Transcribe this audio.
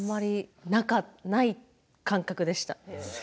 なんかない感覚でした。